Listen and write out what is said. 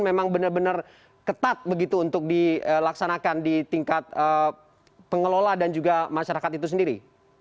memang benar benar ketat begitu untuk dilaksanakan di tingkat pengelola dan juga masyarakat itu sendiri